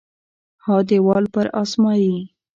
ها دیوال پر اسمایي